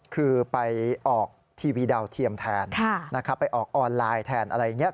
คือไปออกทีวีดาวเทียมแทนนะครับไปออกออนไลน์แทนอะไรอย่างนี้